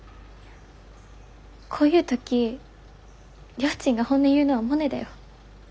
こういう時りょーちんが本音言うのはモネだよ。